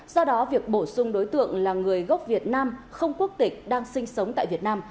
do đó việc bổ sung đối tượng là người gốc việt nam không quốc tịch đang sinh sống tại việt nam